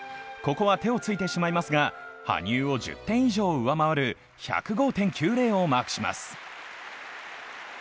ここは手を着いてしまいますが、羽生を１０点以上上回る１０５．９０をマークします。